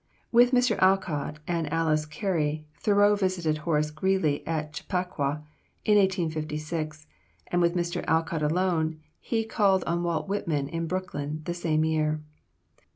With Mr. Alcott and Alice Carey, Thoreau visited Horace Greeley at Chappaqua, in 1856, and with Mr. Alcott alone he called on Walt Whitman in Brooklyn the same year.